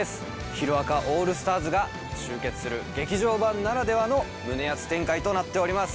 ヒロアカオールスターズが集結する劇場版ならではの胸アツ展開となっております。